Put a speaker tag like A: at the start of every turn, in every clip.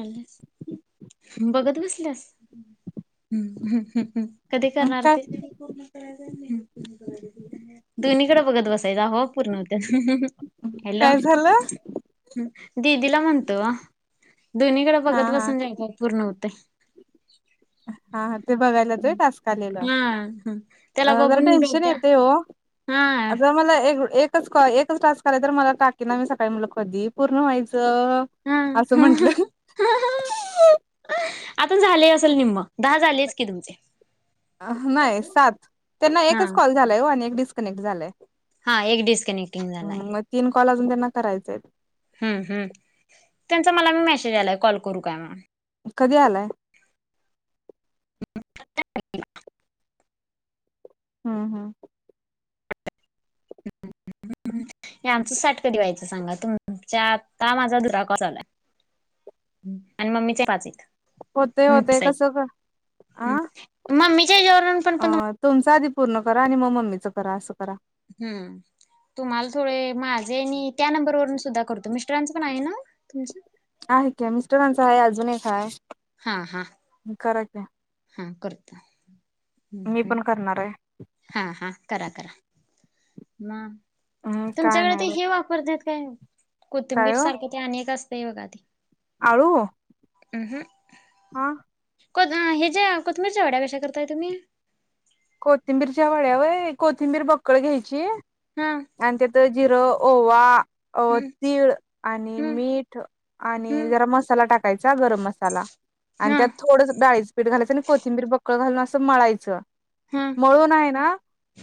A: आणि बघत बसल्यास कधी करणार
B: काय
A: ते दोन्हीकडे बघत बसायचा ह पूर्ण होत्या हल
B: काय झालं
A: दी दिलामंतु वा दोन्हीकडे
B: हा
A: बघत
B: हा
A: बसून जायका पूर्ण होते
B: [inaudible] हा ते बघायलाचय टास् आलेला
A: हा त्याला
B: अ जरा
A: बघून
B: टेन्शन
A: डोक्या
B: येते हो
A: हा
B: आग मला एक एकच कॉल एकच टास्क करायचं तर मला काकींना ना मी सकाळी म्हंटल कधी पूर्ण व्हायचं
A: हम्
B: असं
A: हम
B: म्हंटलं
A: आता झाले असेल निम्म दहा झालेच की तुमचे
B: नाही सात त्यांना
A: हा
B: एकच कॉल झालाय ओ आणि एक डिस्कनेक्ट झालाय
A: हा एक डिस्कनेक्टिंग झालाय.
B: मग तीन कॉल अजून त्यांना करायचे आहेत.
A: हम् हम् त्यांचा मला बी मेसेज आलाय कॉल करू काय म्हणुन?
B: कधी आलाय?
A: [unintelligible]
B: हम्म हम्म.
A: [unintelligible] हे आमचं साठ कधी व्हायचं सांगा? तुमच्या आता माझा दुसरा कॉल झालाय. आणि मम्मीचे पाच आहेत.
B: होतय होतय
A: हम्म
B: कसं पन [inaudible] आ
A: मम्मीच्या हेच्या वरून
B: अ तुमचा आधी पूर्ण करा आणि मग मम्मीचं करा. असं करा.
A: हम्म. तुम्हाला थोडे माझे मी त्या नंबरवरून सुद्धा करतो. मिस्टरांचं पण आहे ना तुमच्या?
B: आहे की मिस्टरांचं आहे अजून एक आहे.
A: हा हा.
B: हम्म करा की.
A: हा करतो. हम्म
B: मी
A: हम्म
B: पण करणार आहे.
A: हा हा करा करा. म
B: हम्म काय
A: तुमच्याकडे
B: नाही
A: ते
B: बघ
A: हे वाप रत्यात काय
B: काय
A: कुथिंबीर
B: हो
A: सारखे ते अनेक असतय बघा ते
B: आळू [inaudible] हा.
A: कोथं हेज्या कोथिंबिरच्या वड्या कशा करताय तुम्ही?
B: कोथिंबीरच्या वड्या होय? कोथिंबीर बक्कळ घ्यायची
A: हा
B: आणि त्यात जिरं ओवा,
A: हम्म
B: तीळ आणि
A: हम्म
B: मीठ आणि
A: हम्म
B: जरा मसाला टाकायचा. गरम मसाला आणि
A: हा
B: त्यात थोडस डाळीच पीठ घालायचं आणि कोथिंबीर बक्कळ घालून असं मळायचं
A: हा
B: मळून आहे ना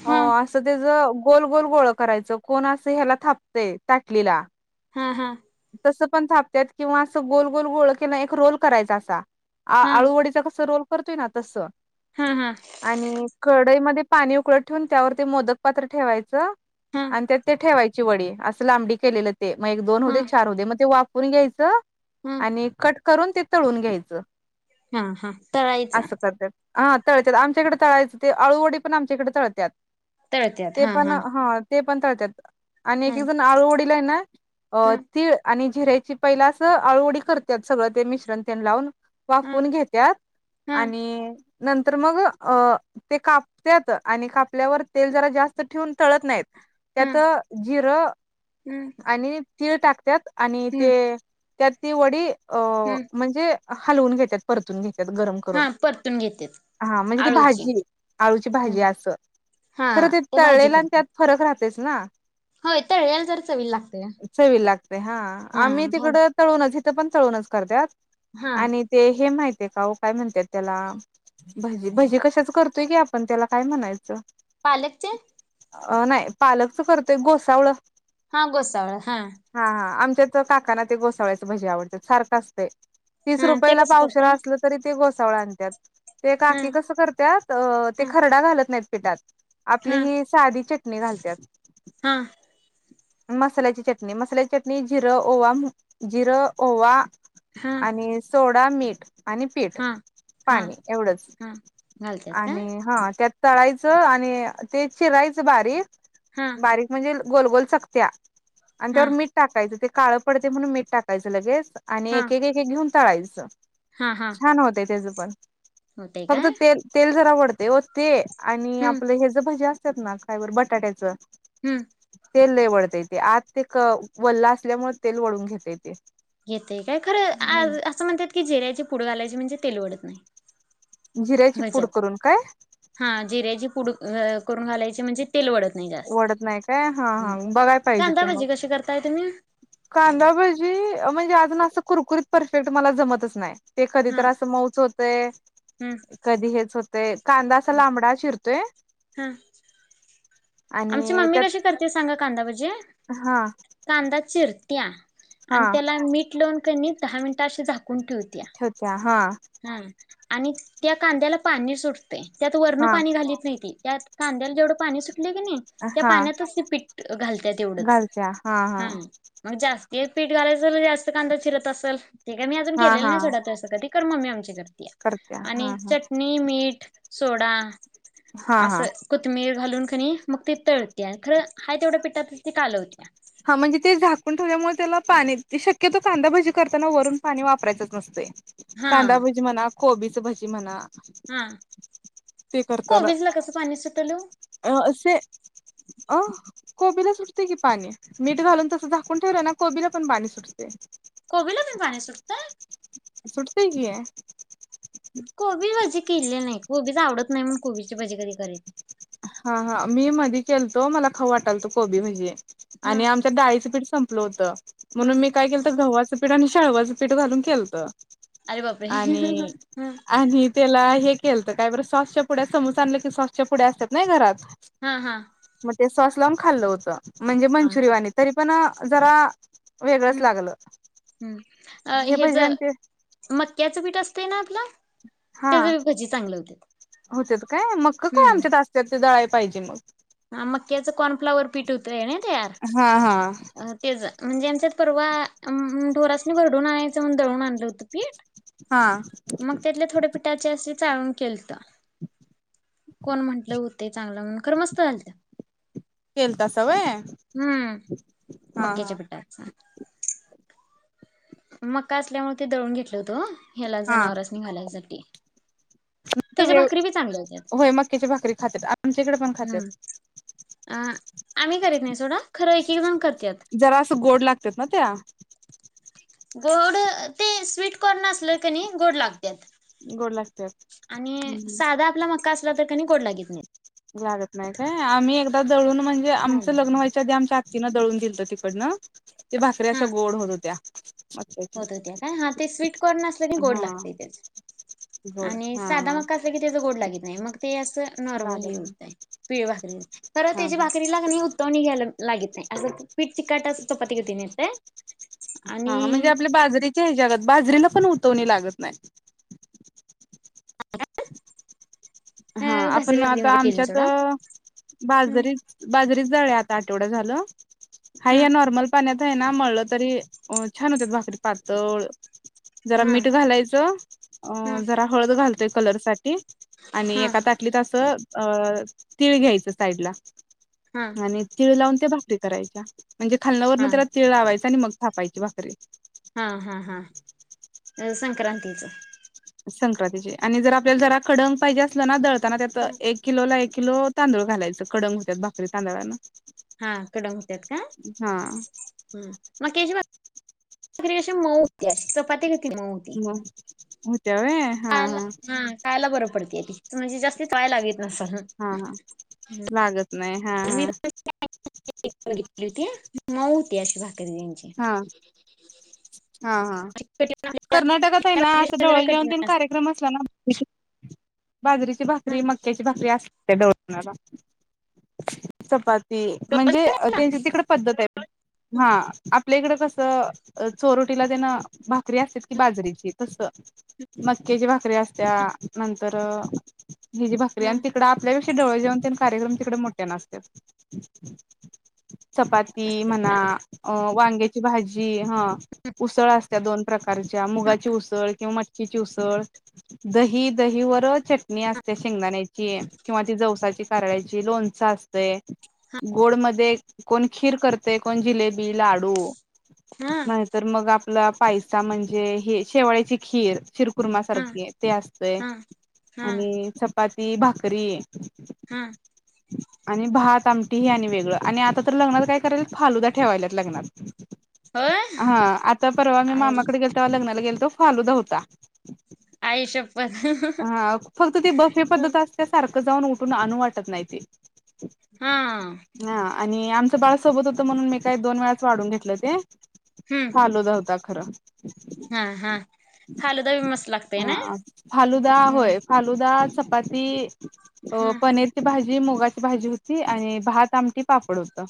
B: अ
A: हा
B: असं अस त्याच गोल गोल गोळ करायचं कोण असं ह्याला थापतय् ताटलीला
A: हा हा.
B: तसं पण थापतात किंवा असं गोल गोल गोळ केलं की ना एक रोल करायचा असा. आ
A: हा
B: आळूवडीचा कस रोल करतोय ना तसं.
A: हा हा.
B: आणि कढईमध्ये पाणी उकळत ठेवून त्यावर ते मोदक पात्र ठेवायचं
A: हा
B: आणि त्यात ते ठेवायची वडी असं लांबडी केलेलं ते मग एक, दोन
A: हा
B: होऊदे मग ते वाफवून घ्यायच.
A: हम.
B: आणि कट करून ते तळून घ्यायचं
A: हा हा
B: [inaudible]
A: तळायचा
B: असं करत्यात. हा तळत्यात आमच्याकडे तळायचं ते अळूवडी पण आमच्याकडे तळत्याात.
A: तळत्यात
B: ते
A: हा
B: पण हा ते पण तळत्यात. आणि
A: हा
B: एक-एक जण आळूवडीला आहे ना अ
A: हा
B: तीळ आणि जिऱ्याची पहिला अस आळूवडी करत्यात सगळं ते मिश्रण तेन लावून
A: हा
B: वाफून घे त्यात
A: हा
B: आणि नंतर मग अ ते कापत्यात आणि कापल्यावर तेल जरा जास्त ठेवून तळत नाहीत
A: हा
B: त्यात जिरं
A: हम्म
B: आणि तीळ टाकत्यात आणि
A: हम्म
B: ते त्यात ती वडी अ
A: हम्म
B: म्हणजे हलवून घेतात परतून घेतात गरम करून
A: हा परतून घेतेत.
B: हा म्हणजे ती
A: आळूची
B: भाजी आळूची भाजी
A: हम्म
B: अस.
A: हा
B: खरं ते
A: भाजी
B: तळलेलं आणि
A: करते.
B: त्यात फरक राहतयच ना.
A: होय तळलेलं जरा चवीला लागतया.
B: चवी लागते हा आम्ही तिकड तळूनच इथं पण तळूनच करत्यात
A: हा
B: आणि ते हे माहिती आहे का ओ काय म्हणतात त्याला? भजी भजी कशाच करतोय की आपण त्याला काय म्हणायचं.
A: पालकचे.
B: अ नाही पालकच करतय गोसावळ-
A: हा गोसावळ हा.
B: हा हा आमच्या तर काकाना ते गोसावळ्याच भजी आवडतात सारखं असते. तीस
A: हा
B: रुपया
A: ते
B: ला
A: कसं
B: पावशला
A: करताय
B: असल. तरी ते गोसाळा आणतात ते
A: हा
B: काकी कसं करतात ते
A: हा
B: खरडा घालत नाहीत पिटात.
A: हा
B: आपली ही साधी चटणी घालतात.
A: हा.
B: मसाल्याची चटणी मसाल्याची चटणी जिरं ओवा जिरं ओवा.
A: हा
B: आणि सोडा मीठ. आणि पीठ
A: हा हा
B: पाणी एवढंच
A: हा घालतात का
B: आणि हा त्यात चढयचं आणि ते चिरायचं बारीक.
A: हा
B: [unintelligible] टाकायचं
A: हा
B: ते काळं पडते म्हणून मीठ टाकायचं लगेच आणि
A: हा
B: एक एक एक घेऊन तळायचं.
A: हा हा
B: छान होते त्याच पण
A: होतय
B: फक्त
A: काय
B: तेल तेल जरावडते ते. आणि
A: हम्म
B: आपलं हे ज भजी असतात ना कायवर बटाट्याच.
A: हम्म
B: तेल लवडता येते आत ते वल्ला असल्यामुळे तेल वळून घेतता येते.
A: येते काय खरं असं म्हणतात की जेरायची पुड घालायची म्हणजे तेलवडत नाही.
B: जिऱ्याची पूड
A: भज्यात
B: करून काय.
A: हा जिऱ्याची पुड करून घालायची म्हणजे तेल वाढत नाही जास्त.
B: वडत नाही काय हा हा
A: हम् कांदा पाजे कशी करताय तुम्ही
B: कांदाभजी म्हणजे अजून असं कुरकुरीत परफेक्ट मला जमतच नाही. ते कधी
A: हा
B: तर असं मऊच होतय
A: हम्म
B: कधी हेच होत. ते कांदा असा लांबडा चिरतोय.
A: हा. आमची
B: आणि
A: मम्मी
B: त्यात
A: कशी करते सांगा कांदा म्हजे
B: हा.
A: कांदा चिरत्या
B: हा
A: आणि त्याला मीठ लावून कनी दहा मिनिट अे झाकून ठेवत्या.
B: अचछ हा.
A: हा आणि त्या कांद्याला पाणी सुटते त्यात वर्ण
B: हा
A: पाणी घालीत नाहीती त्यात. कांद्याला जवढ पाणी सुट क नाही त्या
B: हा
A: पाण्यातच ते पीठ घालतय तेवढंच हा. मग जास्तीत पीठ घालायचं जास्त कांदा चिरत असेल ते काय मी अजून
B: हा
A: केलेलं
B: हा
A: नाही सोडत अससं कधी. कर मम्मी आमची
B: करत्या
A: करतीया आणि
B: हा हा
A: चटणी मीठ सोडा.
B: हा हा
A: असं कोथमीर घालून का नाही मग ते तळत्यात खरं आहे तेवढ्या पिठात ते कालवता.
B: हा म्हणजे ते झाकून ठेवल्यामुळे त्याला पाणी शक्यतो कांदा भाजी करताना वरून पाणी वापरायचंच नसतंय.
A: हा
B: कांदाभजी म्हणा कोबीचं भजी म्हणा.
A: हा
B: ते करताना
A: कोबीज ला कसं पाणी सुटल.
B: अ असे अ कोबीला सुटते की पाणी. मीठ घालून तसं झाकून ठेवलं ना कोबीला पण पाणी सुटते.
A: कोबीला मी पाणी सुटत.
B: सुटते की आहे.
A: कोबी भाजी केलेली नाही कोबीच आवडत नाही मण कोबीची भाजी कधी करराची.
B: हा हा मी मध केलतो मला खऊ वाटाल त कोबी म्हजी
A: हा
B: आणि आम त्या डाळीच पीठ संपलं होतं
A: हा
B: म्हणून मी काय केलंत गव्हाचं पीठ आणि शाळवाचं पीठ घालून केलतं.
A: अरे बापरे
B: आणि आणि त्याला हे केल तर काय बरं सॉसच्या पुड्या समोस आणलं की सॉसच्या पुड्या असतात नाही घरात.
A: हा हा.
B: मग ते सॉस लाून खाल्लं होतं म्हणजे
A: हा
B: मंचुरिय वाणी तरी पण जरा. वेगळंच
A: हम्म
B: लागल
A: हम्म अ
B: हे
A: हेज
B: पाहिजे अन् ते
A: मक्याचं पीठ असतय ना आपलं त्याच बी भजी चांगले होतात.
B: होतात काय मका काय आमच्या असतात ते दलायला पाहिजे मग.
A: हा मक्याचं कॉर्नफ्लावर पीठ होतंय ना तयार
B: हा हा
A: तेच म्हणजे आमच्यात परवा उम्म ढोरासने भरडून आणायचं म्हणून दळून आणलं होतं पीठ.
B: हा
A: मग त्यातले थोडे पीठ. त्याच असे चाळून केलंत कोण म्हंटलं होते चांगलं म्ह तर मस्त झालतं.
B: केलतासा व्हय.
A: हम्म
B: हा
A: मक्याच्या
B: हा
A: पिठाचा. मका असल्यामुळे ते दळून घेतलं होतं हो ह्याला
B: हा
A: जनावरासनी घालायसाठी. त्याच्या भाकरी बी चांगल्या होत्यात.
B: होय मक्याची भाकरी खातात आमच्याकडे पण
A: हम्म
B: खातात.
A: अ आम्ही करीत नाही सोडा खरं एक एक जण करत्यात.
B: जरासं गोड लागतात ना त्या.
A: गोड ते स्वीटकॉर्न असलं क नाही गोड लागत्यात.
B: गोड लागत्यात.
A: आणि
B: हम्म
A: साधा आपला मक्का असला तर का नाही गोड लागत नाही.
B: लागत नाही काय आम्ही एकदा जवळून म्हणजे
A: नाही
B: आमचं
A: लागत.
B: लग्न व्हायच तर त्या आमच्या आत्तीनं दळून दिलंत तिकडनं ते भाकरी अशा
A: हा
B: गोड होत होत्या. मक्याच्या.
A: होत होत्या का हा ते स्वीट कॉर्न असल्याने गोड
B: हा
A: लागतंय त्या.
B: गोड
A: आणि
B: हा
A: साधा
B: हा
A: मका असला की त्याच गोड लागत नाही मग ते असं नॉर्मली.
B: लागत नाही
A: परत
B: हा
A: त्याची
B: हा
A: भाकरी [unintelligible] पाणी घ्यायला लागत नाही असं पीठ चिकाट असतय चपाती. [unintelligible]
B: हा म्हणजे
A: आणि
B: आपल्या बाजरीच्या ह्याच्यागत बाजरीला पण उतवणी लागत नाही.
A: [inaudible] अ
B: हा आपण
A: भाजलेली भाकरी मी
B: आता
A: काय केली नाही
B: आमच्यात
A: सोडा हम्म
B: बाजरी बाजरीच झालंय आता आठवडा झालं हा या नॉर्मल पाण्यात. ते आहे ना मळलं तरी अ छान होत भाकरी पातळ. जरा
A: हा
B: मीठ घालायचं अ
A: हा
B: जरा हळद घालते कलर साठी. आणि
A: हा
B: एका ताटलीत असं अ तीळ घ्यायचं साईडला
A: हा
B: आणि तिळ लावून त्या भाकरी करायच्या म्हणजे खालना वरण त्याला
A: हा
B: तिळ लावायचा आणि मग थापायची भाकरी.
A: हा हा हा संक्रांतीच.
B: संक्रांतीचे आणि जर आपल्याला जरा खडंग पाहिजे असलं ना दळताना त्यात एक किलोला एक किलो तांदूळ घालायचं कडंग होत भाकरी तांदळांन.
A: हा कडंग होत्याात का?
B: हा.
A: मक्याची भाकरी अशी मऊ होते, चपाती कती मऊ होती.
B: मग [inaudible]
A: खायला हा खायला बरं पडतेय ती म्हणजे जास्त चावायला लागत नस हा.
B: हा हां लागत नाही. हा हा
A: [unintelligible] मऊ होती अशी भाकरी त्यांची.
B: हा. हा हा
A: अशी कठीण आपल्या
B: कर्नाटकात आहे
A: या
B: ना असं
A: भाकरीपेक्षा
B: ढवळ
A: जरा
B: जेऊन
A: कठीण
B: त
A: असते
B: कार मसला ना बाजरीची
A: हं.
B: भाकरी मक्याची भाकरी अस. चपाती ती
A: रोज
B: म्हणजे
A: करायला?
B: त्यांची तिकड पद्धत आहे हा आपल्या इकड कसं. चोरटीला त्यांना
A: हं,
B: भाकरी अस की बाजरीची तस. मक्याची भाकरी असत्या नंतर हि जी भाकरी आणि
A: हं.
B: तिकड लयमोट तीकड ढवळे जाेऊन कार्यक्रम तिकडे मोठ्ठा आसतय. चपाती
A: असते का?
B: म्हणा अ वांग्याची भाजी ह उसळ अस. त्या दोन प्रकारच्या
A: हं,
B: मुगाची उसळ किंवा मटकीची उसळ दही, दहीबरोबर चटणी असते, शेंगदाण्याची किंवा ती जवसाची, कारळ्याची, लोणच असते. य, गोड मध्ये कोण खीर करतय, कोण जिले बि लाडू
A: हं,
B: ना तर मग आपला पायसा, म्हणजे हे शेवाळ्याची खीर शिर खू खुरमा
A: हं,
B: सारखे ते असतय
A: हं, हं,
B: आणि चपाती, भाकरी
A: हां.
B: आणि भात, आमटी हे आणि वेगळं आणि आता तर लग्नात काय करायलेत? फालूदा ठेवायल्यात लगनात
A: होय
B: हा आता परवा मी
A: आई
B: मामा कड गेल तो लग्नाला गेलतो, फालुदा होता.
A: आई शपथ
B: हा फक्त ते
A: हं,
B: बफेपद्धत आस त्या सारखं जाऊन, उठून अ आणनू वाटत नाही ते.
A: हां.
B: हां आणि आमचं बाळ सोबत होत, म्हणून मी काय दोन वेळाच वाढून घेतलं ते
A: हम्म.
B: फालुदा होता खरं.
A: हं. फालुदा बी मस्त लागतंय ना
B: आ फालुदा
A: हं,
B: होय. फालुदा, चपाती अ,
A: हं.
B: पनीर ची भाजी, मुगाची भाजी होती आणि भात, आमटी, पापड होत.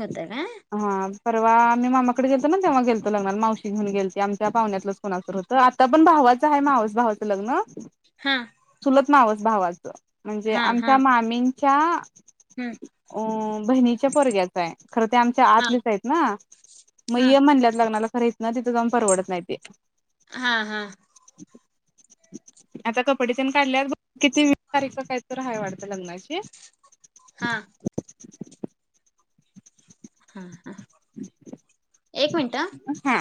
A: होत ना.
B: हा परवा आम्ही मामाकडे गेलतो ना, तेव्हा गेलतो लग्नाला, मावशी घेऊन गेलती, आमच्या पाहुण्यातलंच कोणाच तर होत, आता पण भावाच हाय मावस भावाचं लग्न.
A: हां.
B: चूलत मावस भावाचं, म्हणजे आमच्या मामींच्या
A: हुं.
B: ओ म बहिणीच्या पोरग्याच हाय खर च्या
A: हा
B: आतलेच आहेत ना, मग
A: हा
B: ये म्हणल्यात लग्नाला खर, इथनं तिथं जाऊन परवडत नाही ते.
A: हा हा.
B: आता कपडे तेन काढल्यात बघ, किती तारीख काय तर हाय वाटत लग्नाची
A: हां.
B: हा [unintelligible]
A: हां.
B: हा.